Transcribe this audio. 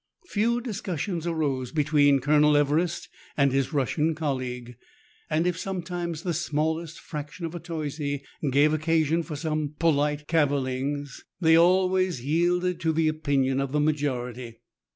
Few discussions arose between Colonel Everest and his Russian colleague ; and if sometimes the smallest fraction of a toise gave occasion for some polite cavillings, they always yielded to the opinion of the majority.